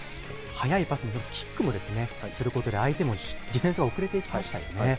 速いパスに、キックもすることで、相手もディフェンスが遅れていきましたよね。